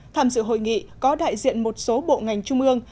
tham dự hội nghị có đại diện một số bộ ngành trung ương